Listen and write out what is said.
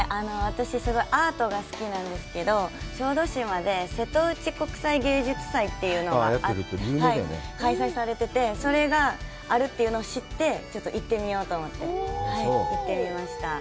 私、すごいアートが好きなんですけど、小豆島で瀬戸内国際芸術祭というのがあって開催されてて、それがあるというのを知って、ちょっと行ってみようと思って、行ってみました。